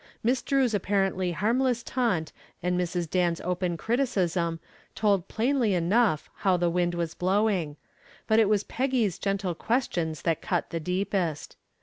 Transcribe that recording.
Miss Drew's apparently harmless taunt and Mrs. Dan's open criticism told plainly enough how the wind was blowing, but it was Peggy's gentle questions that cut the deepest.